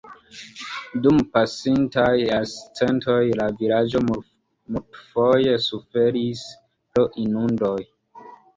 Dum pasintaj jarcentoj la vilaĝo multfoje suferis pro inundoj.